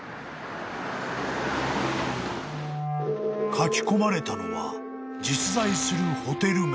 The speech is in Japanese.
［書き込まれたのは実在するホテル名］